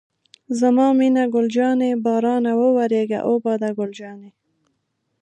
زما مینه ګل جانې، بارانه وورېږه او باده ګل جانې.